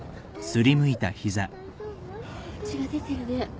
血が出てるね。